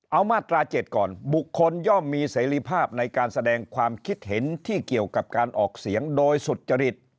เอามาตรา๗ก่อนบุคคลย่อมมีเสรีภาพในการแสดงความคิดเห็นที่เกี่ยวกับการออกเสียงโดยสุจริต